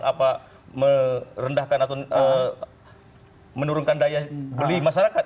apa merendahkan atau menurunkan daya beli masyarakat